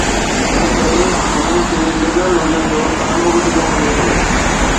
ان ڪري انهن کي لبرل هجڻ جو طعنو به ڏنو وڃي ٿو.